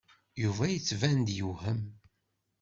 Yuba yettban-d yewhem.